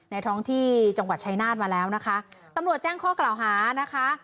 ท้องที่จังหวัดชายนาฏมาแล้วนะคะตำรวจแจ้งข้อกล่าวหานะคะ